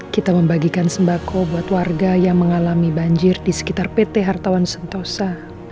kita membagikan sembako buat warga yang mengalami banjir di sekitar pt hartawan sentosa